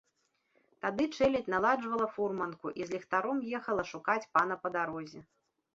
Тады чэлядзь наладжвала фурманку і з ліхтаром ехала шукаць пана па дарозе.